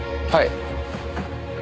はい。